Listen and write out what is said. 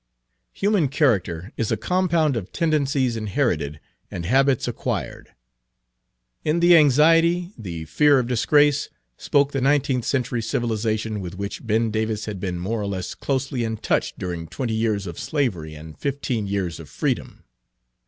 Human character is a compound of tendencies inherited and habits acquired. In the anxiety, the fear of disgrace, spoke the nineteenth century civilization with which Ben Davis had been more or less closely in touch during twenty years of slavery and fifteen years of freedom.